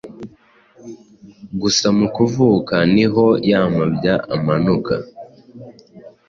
Gusa mu kuvuka niho ya mabya amanuka